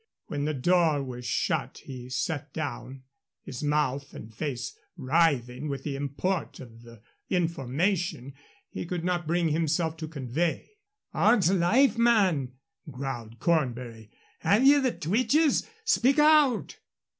When the door was shut he sat down, his mouth and face writhing with the import of the information he could not bring himself to convey. "Ods life, man," growled Cornbury, "have ye the twitches? Speak out!"